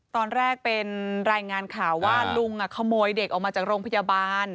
ตอนแรกเป็นรายงานข่าวว่าลุงขโมยเด็กออกมาจากโรงพยาบาล